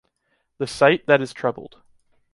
The sight that is troubled;